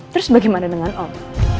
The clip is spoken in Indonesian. terus bagaimana dengan om